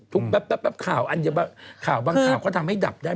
ทุกแป๊บข่าวอันยาวข่าวบ้างข่าวก็ทำให้ดับได้เหมือนกัน